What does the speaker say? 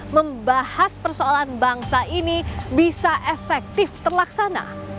membahas persoalan bangsa ini bisa efektif terlaksana